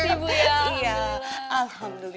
makasih ibu ya alhamdulillah